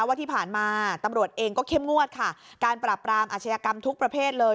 ว่าที่ผ่านมาตำรวจเองก็เข้มงวดค่ะการปราบปรามอาชญากรรมทุกประเภทเลย